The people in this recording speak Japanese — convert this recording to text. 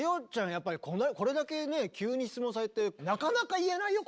やっぱりこれだけね急に質問されてなかなか言えないよ